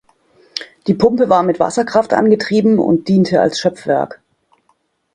Die Pumpe war mit Wasserkraft angetrieben und diente als Schöpfwerk.